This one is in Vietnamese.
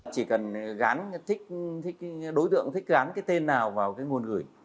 chỉ cần đối tượng thích gắn cái tên nào vào cái nguồn gửi